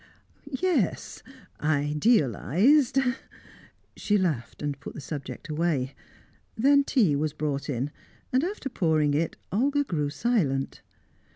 "Yes idealised!" She laughed and put the subject away. Then tea was brought in, and after pouring it, Olga grew silent.